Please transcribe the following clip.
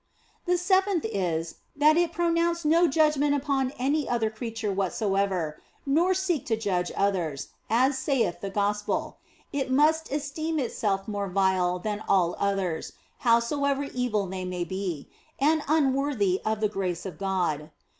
The seventh is, that it pronounce no judgment upon any other creature whatsoever, nor seek to judge others, as saith the Gospel, it must esteem itself more vile than all others (howsoever evil they may be), and unworthy of the grace of God.